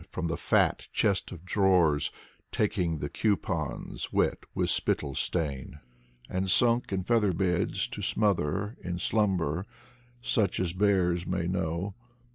From the fat chest of drawers taking The coupons wet with spittle stain; And sunk in feather beds to smother In slumber, such as bears may know.